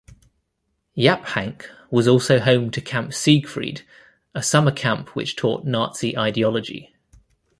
Yaphank was also home to Camp Siegfried, a summer camp which taught Nazi ideology.